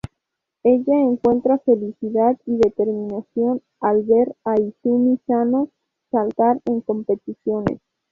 Ella encuentra felicidad y determinación al ver a Izumi Sano saltar en competiciones.